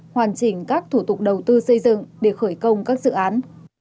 hoàn chỉnh các thủ tục đầu tư xây dựng để khởi công các dự án